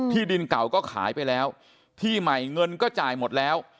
ดินเก่าก็ขายไปแล้วที่ใหม่เงินก็จ่ายหมดแล้ว